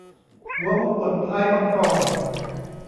หัวมงกุฏท้ายมังกร